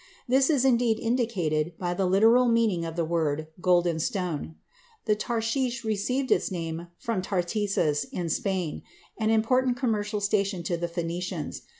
This is indeed indicated by the literal meaning of the word, "golden stone." The tarshish received its name from Tartessus, in Spain, an important commercial station of the Phœnicians.